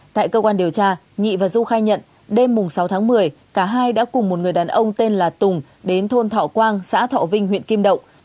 tại cơ quan điều tra nhị và du khai nhận đêm sáu tháng một mươi cả hai đã cùng một người đàn ông tên là tùng đến thôn thọ quang xã thọ vinh huyện kim động